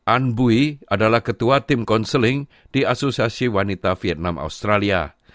anbui adalah ketua tim konseling di asosiasi wanita vietnam australia